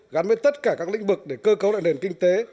gắn với tất cả các lĩnh vực để cơ cấu lại nền kinh tế